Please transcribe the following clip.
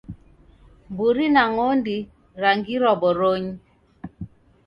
Mburi na ng'ondi rangirwa boronyi